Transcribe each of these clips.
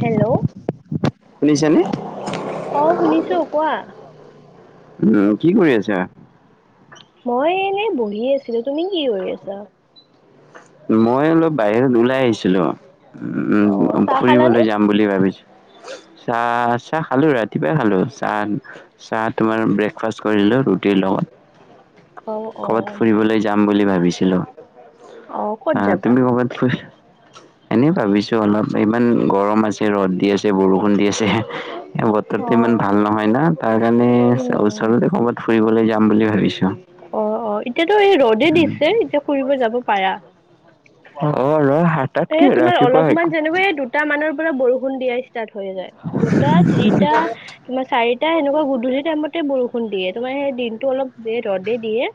Hello! শুনিছাঁনে? অ শুনিছোঁ কোৱা। উ কি কৰি আছা? মই এনেই বঢ়ি আছিলো, তুমি কি কৰি আছা? মই অলপ বাহিৰত ওলাই আহিছিলো, অ উ চাহ খালানে ফুৰিবলৈ যাম বুলি ভাবিছোঁ। চাহ চাহ খালো ৰাতিপুৱাই খালো চাহ। চাহ তোমাৰ ব্ৰেকফাষ্ট কৰিলো, ৰুটিৰ লগত। খ অ ক'ত ফুৰিবলৈ যাম বুলি ভাবিছিলোঁ। ক'ত অ যাবা তুমি কবাত ফু এনেই ভাবিছোঁ অলপ ইমান গৰম আছে ৰ'দ দি আছে, বৰষুণ দি আছে। এই অ বতৰটো ইমান ভাল নহয় না তাৰ কাৰণে উম উম ওচৰতে ক'বাত ফুৰিবলৈ যাম বুলি ভাবিছোঁ। অ অ এতিয়াতো এই ৰ'দেই দিছে এতিয়া ফুৰিব যাব পাৰা। অ ৰ এ সাতাতকে তোমাৰ ৰাতিপুৱা অলপমান একো যেনেকৈ দুটা মানৰ পৰা বৰষুণ দিয়া ষ্টাৰ্ট হৈ যায় দুটা তিনিটা তোমাৰ চাৰিটা সেনেকুৱা গধূলি টাইমতে বৰষুণ দিয়ে, তোমাৰ সেই দিনটো অলপ ৰ'দে দিয়ে।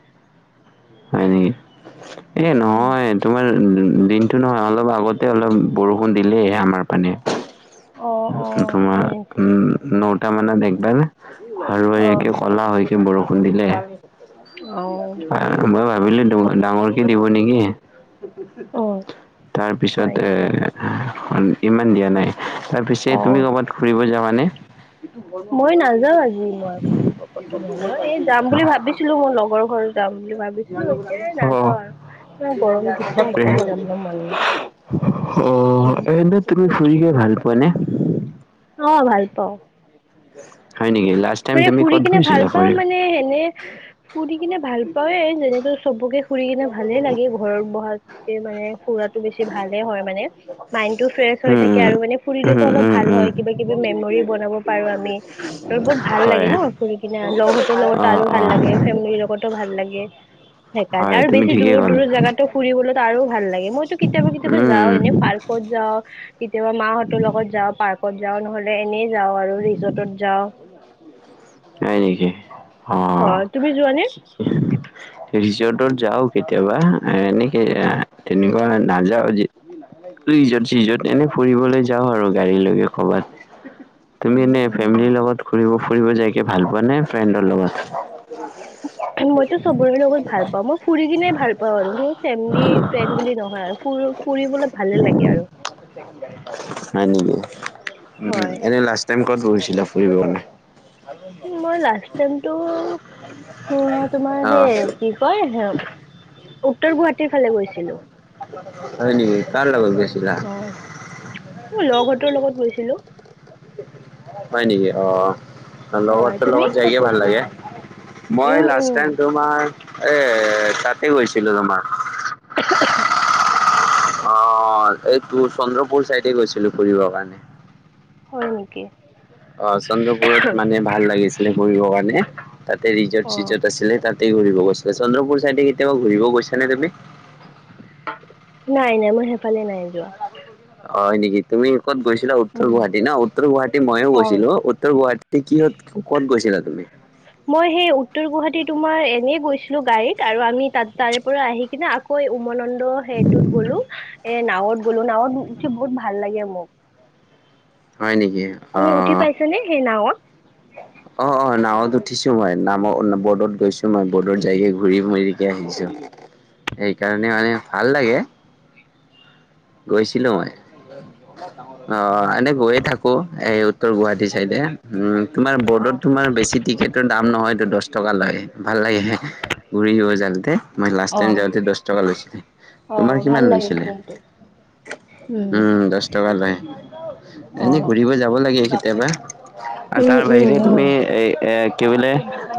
হয় নেকি এ উম নহয় তোমাৰ দিন সেইটো নহয় অলপ আগতে অলপ বৰষুণ দিলেই আমাৰ পানে। অ অ তোমাৰ হয় নেকি উম নটা মানত একবাৰ অ হাৰাকে কলা হৈ কে বৰষুণ দিলে। অ মই ভাবিলোঁ ডাঙৰকে দিব নেকি? অ তাৰ পিছত হয় এ নেকি ইমান দিয়া নাই। তাৰপিছে এই অ পিনে কৰ'ৰবাত ফুৰিব যাওঁ এনে। মই নাযাও আজি মই ফুৰিব কতো নাযাওঁ। এই যাম বুলি ভাবিছিলোঁ মোৰ লগৰ ঘৰ যাম বুলি ভাবিছিলোঁ, এতিয়া এই নাযাওঁ। আৰু গৰম দিছে সেইকাৰণে যাবলৈ মন নাই হ [inaudible] অ এ তুমি ফুৰিব ভাল পোৱানে? অ ভাল পাওঁ। হয় নেকি লাজ এ ফুৰি কিনে ভাল পাওঁ মানে এনে। ফুৰি কিনে ভাল পাওৱে যেনেতো চবকে ফুৰি কিনে ভালে লাগে ঘৰৰত বহা মানে ফুৰাত বেছি ভাল হয় মানে মাইনটো ফ্ৰেচ হৈ থাকে উম আৰু মানে উম ফুৰিলেটো উম অলপ উম ভাল উম হয়। কিবা কিবি মেমৰি বনাব পাৰোঁ, আমি ত বহুত ভাল লাগে হয় ন ফুৰি কিনে লগটোৰ লগতো আৰু অ', ভাল অ', লাগে ফেমিলিৰ লগতো ভাল লাগে। সেইকাৰণে হয় আৰু তুমি বেছ দূৰ ঠিকেই ক'লা দূৰ জগাতো ফুৰিবলৈতো আৰু ভাল লাগে মইতটো কেতিয়াবা কেতিয়াবা যাও উম, এনে পাৰ্কত। যাওঁ কেতিয়াবা মাহঁতৰ লগত যাওঁ পাৰ্কত যাওঁ নহলে এনেই যাওঁ আৰু ৰিজৰ্টত যাওঁ। হয় নেকি? অ তুমি যোৱানে? ৰিজৰ্টত যাওঁ কেতিয়াবা, এনেকে তেনেকুৱা নাযাওঁ। ৰিজৰ্ট চিজত এনেই ফুৰিবলৈ যাওঁ আৰু গাড়ীলৈকে কবাত। তুমি উম এনে উম ফেমিলিৰ লগত ঘুৰিব ফুৰিব যাইকে ভাল পোৱা নে ফ্ৰেণ্ডৰ লগত? মইতো চবৰেৰে লগত ভাল পাওঁ, মই ফুৰি কিনে ভাল পাওঁ আৰু মোৰ ফেমিলি? ফ্ৰেণ্ড বুলি নহয় আৰু ফ ফুৰিবলৈ ভালে লাগে আৰু। হয় নেকি উম হয় এনে লাষ্ট টাইম ক'ত গৈছিলা ফুৰিবলে। উ মই লাষ্ট টাইমটো উম তোমাৰ অ', সেইয়া কয় আছো উত্তৰ গুৱাহাটীৰ ফালে গৈছিলো। হয় নেকি কাৰ লগত গৈছিলা মোৰ লগহতৰ লগত গৈছিলো। [unintelligible] হয় নেকি অ হয় লগৰতো তুমি লগত ক'ত যায়কে ভাল গৈছিলা লাগে মই উম লাষ্ট উম টাইম ত তোমাৰ এ তাতে গৈছিলো তোমাৰ। [unintelligible] অ এই তোৰ চন্দ্ৰপুৰ চাইডে গৈছিলো ফুৰিবৰ কাৰণে। হয় নেকি অ চন্দ্ৰপুৰত মানে ভাল লাগিছিলে ফুৰিবৰ কাৰণে তাতে অ ৰিজৰ্ট চিজৰ্ট আছিলে তাত। তাতে ঘূৰিব গৈছিলো চন্দ্ৰপুৰ চাইডে কেতিয়াবা ঘূৰিব গৈছা নে তুমি নাই নাই মই সেইফালে নাই যোৱা। হয় নেকি তুমি ক'ত গৈছিলা উত্তৰ উম গুৱাহাটী ন উত্তৰ গুৱাহাটী মইয়ো অ গৈছিলো উত্তৰ গুৱাহাটী কিহত ক'ত গৈছিলা তুমি মই সেই উত্তৰ গুৱাহাটী তোমাৰ এনেই গৈছিলো গাড়ীত আৰু আমি তাত তাৰে পৰা আহি কিনে আকৌ উমানন্দ দ সেইটোত গ'লো এ নাৱত গ'লো নাৱত উঠি বহুত ভাল লাগে মোক। হয় নেকি অ তুমি উঠি পাইছা নে সেই নাওঁত অ অ নাওত উঠিছোঁ মই নাওত বোটত গৈছোঁ মই বোটত যাইগে ঘূৰি মেৰিকে আহিছোঁ। [unintelligible] সেইকাৰণে মানে ভাল লাগে। গৈছিলোঁ মই। অ এনে গৈয়ে থাকো এই উত্তৰ গুৱাহাটী চাইডে উম তোমাৰ বোডত তোমাৰ বেছি টিকেট। এইটো দাম নহয়টো দহ টকা লয় ভাল লাগে হে ঘূৰিব গৈ যাওঁতে। মই লাষ্ট অ টাইম যাওঁতে দহ টকা লৈছিলে অ তোমাৰ ভাল কিমান লাগে লৈছিলে কিন্তু উম দহ টকা লয় অ এনেই ঘূৰিব যাব লাগে কেতিয়াবা। আৰু উম তাৰ উম বাহিৰে তুমি হয় এ এ কি বোলে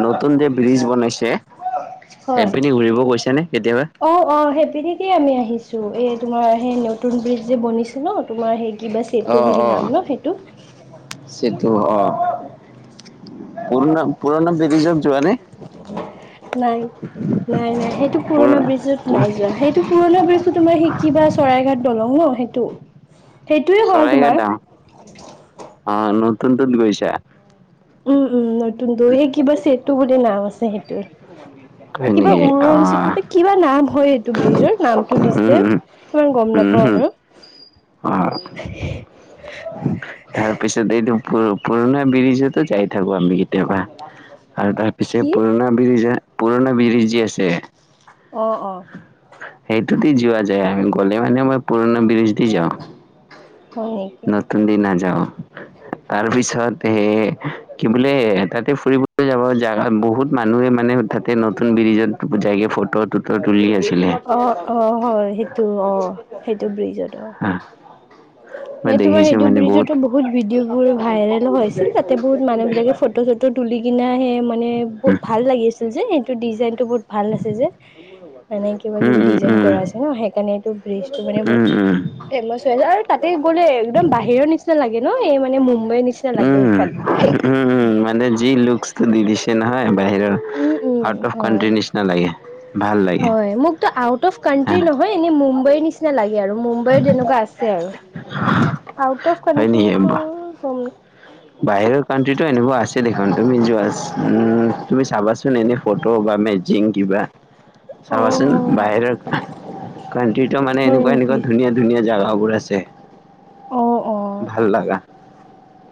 নতুন কে ব্ৰিছ বনাইছে হয় সেইপিনে ঘূৰিব গৈছা নে কেতিয়াবা অ অ সেইপিনে। সেই পিনে আমি আহিছো এ তোমাৰ সেই নতুন ব্ৰিজ যে বনিছে ন তোমাৰ সেই কিবা চেতু গুৰি নাম ন সেইটো। চেতু অ পুৰনা পুৰনা ব্ৰিৰিজত যোৱা নে নাই। নাই নাই সেইটো পুৰণা ব্ৰিজত পুৰ নাই যোৱা সেইটো পুৰণা ব্ৰিজো তোমাৰ সেই কিবা শৰাই ঘাট দলং ন সেই। টো শৰাইঘাট অ অ নতুনটোত গৈছা উম উম দৈ সেই কিবা চেতু বুলি নাম আছে সেইটোৰ হয় কিবা নেকি অ উৰুং চেতু কিবা নাম হয় এইটো ব্ৰিজৰ নামটো উম দিছে উম ইমান গম উম নাপাও হম আৰু অ তাৰপিছত তাৰপিছত এইটো পু পুৰণা ব্ৰিজতো যাই থাকো আমি কেতিয়াবা আৰু তাৰ পিছত কি পুৰণা ব্ৰিজ হয় পুৰণা ব্ৰিজ যে আছে। অঁ অঁ সেইটো দি যোৱা যায় আমি গ'লে মানে মই পুৰণা ব্ৰিজ দি যাওঁ। হয় নেকি? যোন দিনা যাওঁ তাৰপিছত সেই কি বোলে তাতে ফুৰিবলৈ যাব জা বহুত মানুহে মানে তাতে নতুন ব্ৰিজত যায়গে ফটোত ত তুলি আছিলে অ অ হয় সেইটো অ হ। স তোমাৰ সেইটো ব্ৰিজতো বহুত ভিডিঅ' বোৰ ভাইৰেল হৈছিল তাতে বহুত মানুহ বিলাকে ফটো-চটো টো তুল কিনা সে মানে বহুত উম ভাল লাগি আছিল যে সেইটো ডিজাইনতটো বহুত ভাল আছে যে মানে কিবা কিবি উম ডিজাইন উম কৰা আছে ন সেইকাৰণেটো ব্ৰিজটো মানে উম বহুত উম ফেমাচ হৈ যায় আৰু তাত গলে একদম বাহিৰৰ নিচিনা লাগে ন এই মানে মুম্বাইৰ নিচিনা লাগে উম উম উম সেইফালে। মানে যি লুকচটো দি দিছে নহয় বাহিৰৰ উম উম আউট অফ কান্ট্ৰি হয় নিচিনা লাগে। ভাল লাগে হয় মোক তো আউট অফ হা, কানণ্ট্ৰি নহয় এনেই মুম্বাইৰ নিচিনা আৰু মুম্বাইৰ তেনেকুৱা আছে আৰু আউট অফ হয় কাউন্ট্ৰী নেকি টো বা- বাহিৰৰ কাণ্ট্ৰিটো এনেকুৱা আছে দেখোন তুমি যোৱা উম তুমি চাবাচোন এনে ফটো বা মেজ জিং কিবা। অ চাবাচোন অ বাহিৰৰ কাণ্ট্ৰিটো মানে হয় এনেকুৱা এনেকুৱা নেকি ধুনীয়া ধুনীয়া জেগাবোৰ আছে অ অ ভাল লগা।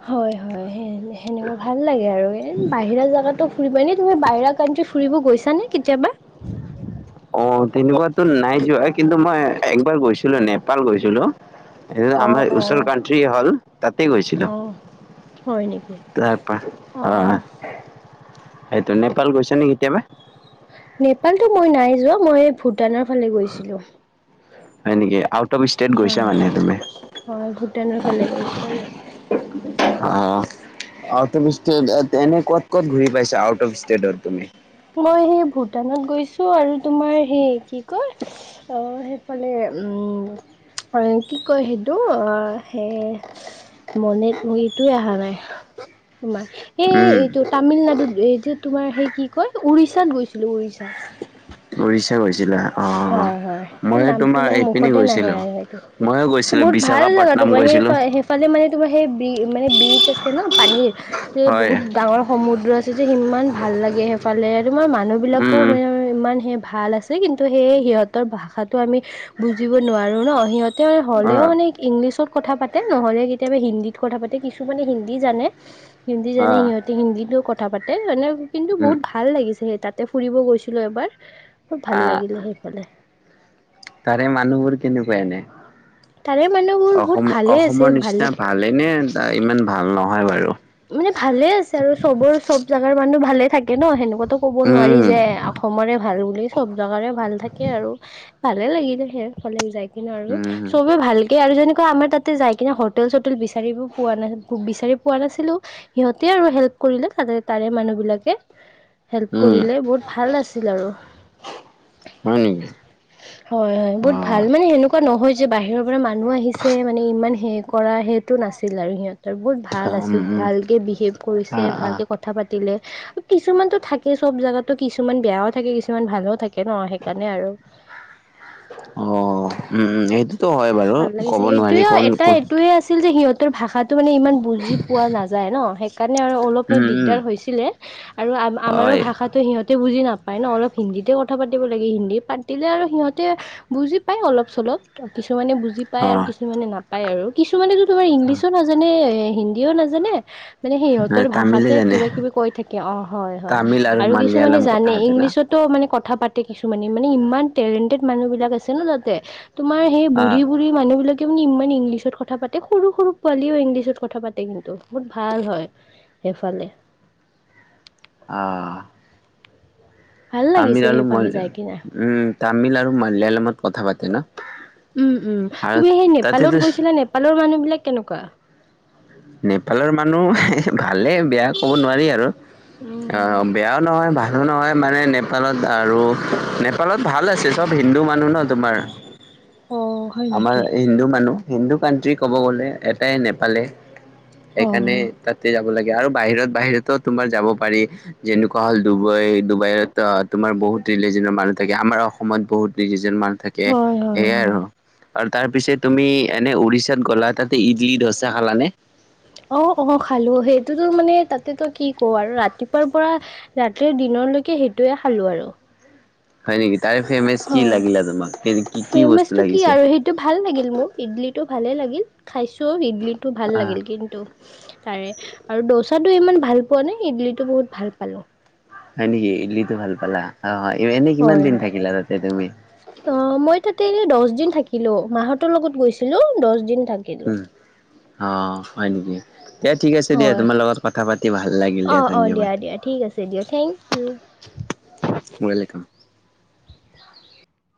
হয় হয় সেনেকুৱা ভাল লাগে আৰু বাহিৰা জেগাতো ফুৰিব এনে তুমি বাহিৰা কাণ্ট্ৰি ফুৰিব গৈছা নে কেতিয়াবা? অ তেনেকুৱাতো নাই যোৱা কিন্তু মই একবাৰ গৈছিলোঁ নেপাল গৈছিলোঁ। এই অ', আমাৰ ওচৰ অ', কান্ট্ৰি হল তাতেই গৈছিলোঁ। অ', হয় নেকি? তাৰ পৰা আহ। অ', সেইটো নেপাল গৈছা নে কেতিয়াবা? নেপালটো মই নাই যোৱা মই ভূটানৰ ফালে গৈছিলোঁ। হয় নেকি আউট অফ ষ্টেট গৈছা হয় মানে তুমি? অহ। হয় ভূটানৰ ফালে গৈছোঁ আৰু। আউট অফ ষ্টেট এনে ক'ত ক'ত ঘূৰি পাইছা আউট অফ ষ্টেটৰ তুমি? মই সেই ভূটানত গৈছোঁ আৰু তোমাৰ সেই কি কয় অ ফালে উম কি কয় সেইটো অ সে মনেত ইটোয়ে অহা নাই। তোমাৰ এই উম এইটো তামিলনাডুত এই যে তোমাৰ সেই কি কয় উৰিষ্যাত গৈছিলোঁ উৰিষ্যাত। উৰিষ্যা গৈছিলা? অ' হয় হয় সেই ময়ে নামটো তোমাৰ মানে এইপিনি মুখতে নাহে গৈছিলোঁ আৰু সেইটো। ময়ো গৈছিলোঁ বহুত ভাল জেগাটো বিশাখাপট্টনম বাৰ গৈছিলোঁ সেইফাল সেই ইফালে মানে তোমাৰ সেই মানে বীজ আছে ন পানীৰ যে হয় বহুত ডাঙৰ সমুদ্ৰ আছে যে সিমান ভাল লাগে সেইফালে আৰু তোমাৰ মানুহ বিলাক উম [unintelligible] ইমানহে ভাল আছে। কিন্তু সেইয়ে সিহঁতৰ ভাষাটো আমি বুজিব নোৱাৰো ন সিহঁতে মে হ'লেও অ' মানে ইংলিছত কথা পাতে নহ'লে কেতিয়াবা হিন্দীত কথা পাতে কিছুমানে হিন্দী জানে হিন্দী জানে অ' সিহঁতে হিন্দীতো কথা পাতে মানে কিন্তু উম বহুত ভাল লাগিছে সেই তাত। এয়া ফুৰিব গৈছিলো এবাৰ বহুত ভাল আ' লাগিলে সেইফালে। তাৰে মানুহবোৰ কেনেকুৱা এনে? তাৰে মানুহবোৰ বহুত অসম ভালে আছে অসমৰ ভালে নিচিনা ভালেনে ইমান ভাল নহয় বাৰু? মানে ভালে আছে আৰু চবৰ চব জেগাৰ মানুহ ভালে থাকে ন, সেনেকুৱা। ত, ক'ব নোৱাৰি উম, যে, অসমৰে ভাল বুলি চব জোগাৰে ভাল থাকে আৰু। ভালে লাগি থাকে, কলে যাই কিনে আৰু উম, চবে ভাল এই আৰু যেনেকুৱা আমাৰ তাতে যাই কিনে হোটেল চোটেল বিচাৰিও পোৱা নাই, বিচাৰি পোৱা না ছিলো সিহঁতে আৰু হেল্প কৰিলে তাতে তাৰে মানুহ বিলাকে হেল্প উম, কৰিলে, বহুত ভাল আছিল আৰু। হয় নেকি? হয় হয়। বহুত ভাল অ', মানে সেনেকুৱা নহয় মে, বাহিৰৰ পৰা মানুহ আহিছে, মানে ইমান হেৰি কৰা সে টো নাছিল আৰু সিহঁতৰ বহুত ভাল উম, আছিল। উম, ভালকৈ বিহেভ কৰিছে আ- আ ভালকৈ কথা পাতিলে, কিছুমানতো থাকে চব জেগাতো কিছুমান বেয়াও থাকে, কিছুমান ভালও থাকে ন সেইকাৰণে আৰু উম, উম, উম, সেইটোতো ভয়। ভাল লাগিছে, সেইটোয়ে এটা এইটোয়ে আছিল যে সিহঁতৰ ভাষাত তো, মানে ইমান বুজি পোৱা নাযায় ন, সেইকাৰণে আৰু অলপ সেই উম, উম, দিগদাৰ হৈছিল। আৰু আ, আমাৰো হয় ভাষাটো সিহঁত বুজি নাপায় ন, অলপ হিন্দীতে কথা পাতিব লাগে, হিন্দী পাতিলে আৰু সিহঁতে বুজি পাই অলপ-চলপ কিছুমানে বুজি পায় আৰু অ', কিছুমানে নাপায় আৰু কিছুমানেতো তোমাৰ ইংলিছত নাযা যানে এ, হিন্দীও নাজানে। মানে এ, সিহঁতৰ তামিলে ভাষাতে জানে কিবা-কিবি কৈ থাকে অ, হয়, হয়, তামিল আৰু কিছু মানে মালয়ালম কথা জানে আছে না? ইংলিছত। মানে কথা পাতে কিছুমানে, মানে ইমান টেলেণ্টেড মানুহ বিলাক আছে ন, তাতে তোমাৰ সেই, অ', বুঢ়ী-বুঢ়ী মানুহ বিলাকে মানে ইমান ইংলিছত কথা পাতে, সৰু-সৰু পোৱালিও ইংলিছত কথা পাতে, কিন্তু বহুত ভাল হয়। এইফালে। অ, ভাল তামিল লাগিছে আৰু ম, সেইফালে যাই কিনে উম, তামিল আৰু মালিয়ালমত কথা পাতে ন। উম, উম, আৰু তুমি সেই নেপালত তাতেতো গৈছিলা, নেপালৰ মানুহ বিলাক কেনেকুৱা? নেপালৰ মানুহ, ভালেই বেয়া ক'ব নোৱাৰি আৰু অ, বেয়াও নহয় ভাল নহয় মানে, নেপালত আৰু নেপালত ভাল আছে, চোব হিন্দু মানুহ ন, তোমাৰ। অ হয় আমাৰ নেকি হিন্দু-মানুহ, হিন্দু কানট্ৰি ক'ব গলে, এটাই নেপালে। অ সেইকাৰণে তাতে যাব লাগে আৰু বাহিৰত, বাহিৰতো তোমাৰ যাব পাৰি। যেনেকুৱা হ'ল ডুবাইত অ, ডুবাইত তোমাৰ বহুত ৰিলিজনৰ মানুহ থাকে, আমাৰ অসমত বহুত ৰিলিজনৰ মানুহ থাকে। এই, হয় হয় সেয়াই হয় আৰু। আৰু তাৰ পিছে তুমি এনে উৰিষ্যাত গ'লা, তাতে ইডলি- ধচা খালানে? অ, অ, খালো সেইটোতো মানে তাতে তো, কি কম আৰু ৰাতিপুৱাৰ পৰা ৰাতিৰ দিনলৈকে সেইটোয়ে খালো আৰু। হয় নেকি, তাৰে ফেমাচ কি হয় লাগিলে, তোমাৰ কি, কি, কি, বস্তু লাগিছে। টো, ভাল লাগিল মোৰ ইডলিটো ভালে লাগিল, খাইছো ইডলিটো ভাল আহ লাগিল কিন্ত তাৰে আৰু ডচাটো ইমান ভাল পোৱা নাই, ইডলিটো বহুত ভাল পালে। হয় নেকি, ইডলিটো ভাল পালা, অ, এনে কিমান হয় দিন হয়। থাকিলা তাতে তুমি? অ, মই তাতে এনে, দহ দিন থাকিলো, মাহতৰ লগত গৈছিলো দহ দিন থাকিল উম, অ, হয় নেকি? দিয়া ঠিক আছে দিয়া, হয় তোমাৰ লগত কথা পাতি ভাল লাগিল অ দিয়া, অ ধন্যবাদ। দিয়া ঠিক আছে দিয়া থেংক [unintelligible] [inaudible]